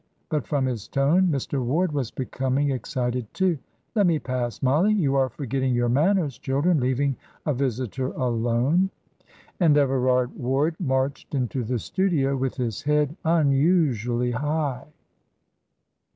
But from his tone Mr. Ward was becoming excited too. "Let me pass, Mollie; you are forgetting your manners, children, leaving a visitor alone;" and Everard Ward marched into the studio, with his head unusually high.